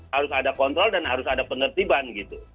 harus ada kontrol dan harus ada penertiban gitu